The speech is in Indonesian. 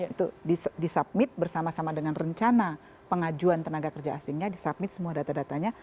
itu disubmit bersama sama dengan rencana pengajuan tenaga kerja asingnya disubmit semua data datanya